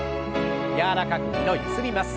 柔らかく２度ゆすります。